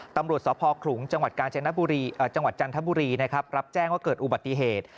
ตำรวจสพขลุงจังหวัดจันทบุรีนะครับรับแจ้งว่าเกิดอุบัติเหตุ